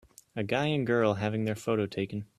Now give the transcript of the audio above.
A guy and girl having their photo taken